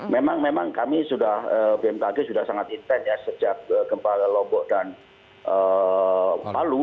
memang memang kami sudah bmkg sudah sangat intens ya sejak gempa lombok dan palu